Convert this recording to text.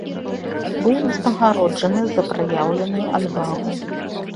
Быў узнагароджаны за праяўленую адвагу.